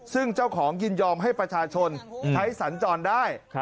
ซึ่งเจ้าของยินยอมให้ประชาชนใช้สัญจรได้